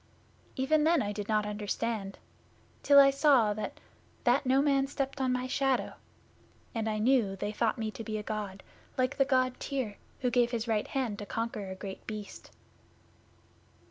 'Even then I did not understand, till I saw that that no man stepped on my shadow; and I knew that they thought me to be a God, like the God Tyr, who gave his right hand to conquer a Great Beast.